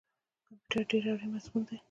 کمپیوټر ډیر اړین مضمون دی